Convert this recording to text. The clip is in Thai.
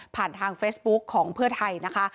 ทางเฟซบุ๊คของเพื่อไทยนะคะ